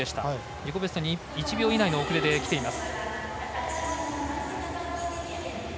自己ベストに１秒以内の遅れできています。